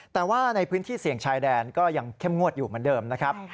แต่ว่าในพื้นที่เสี่ยงชายแดนก็ยังเข้มงวดอยู่เหมือนเดิมนะครับ